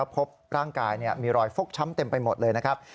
พบร่างกายมีรอยฟกช้ำเต็มไปหมดเลยนะครับ